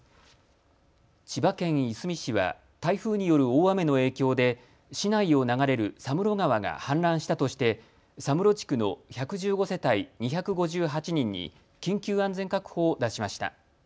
千葉県いすみ市は台風による大雨の影響で市内を流れる佐室川が氾濫したとして佐室地区の１１５世帯２５８人に緊急安全確保を出しました。